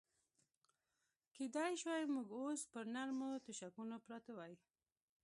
کېدای شوای موږ اوس پر نرمو تشکونو پراته وای.